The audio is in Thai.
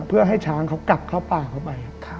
เพื่อให้ช้างเขากลับเข้าป่าเข้าไป